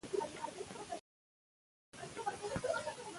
د قانوني تمې اصل د وګړو ملاتړ کوي.